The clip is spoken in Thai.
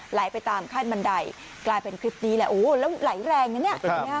ไหลไปตามข้างบันไดกลายเป็นคลิปนี้แหละโอ้โหแล้วไหลแรงอย่างนี้